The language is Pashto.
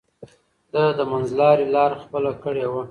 ده د منځلارۍ لار خپله کړې وه.